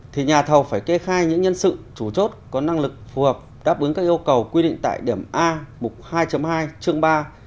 thì nhà thầu phải kê khai những nhân sự chủ chốt có năng lực phù hợp đáp ứng các yêu cầu quy định tại điểm a mục hai hai chương ba